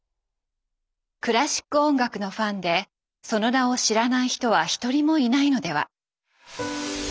クラシック音楽のファンでその名を知らない人は一人もいないのでは。